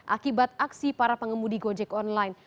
akibat aksi para pengemudi gojek online